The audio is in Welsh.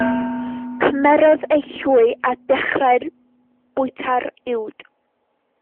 Cymerodd ei llwy a dechrau bwyta'r uwd.